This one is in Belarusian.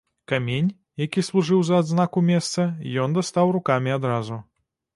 Камень, які служыў за адзнаку месца, ён дастаў рукамі адразу.